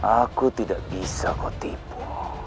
aku tidak bisa kau tipu